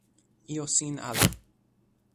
ijo sin ala.